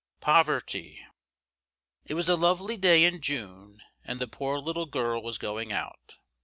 POVERTY. IT was a lovely day in June, and the poor little girl was going out.